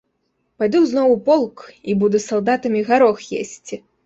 Пайду зноў у полк і буду з салдатамі гарох есці.